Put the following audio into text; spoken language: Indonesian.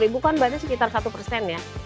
lima puluh ribu kan berarti sekitar satu persen ya